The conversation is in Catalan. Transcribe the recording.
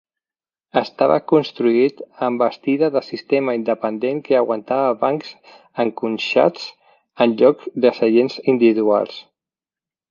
Estava construït amb bastida de sistema independent que aguantava bancs enconxats en lloc de seients individuals.